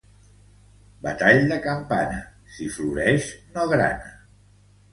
Batall de campana, si floreix no grana.